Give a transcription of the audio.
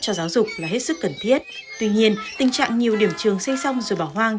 cho giáo dục là hết sức cần thiết tuy nhiên tình trạng nhiều điểm trường xây xong rồi bỏ hoang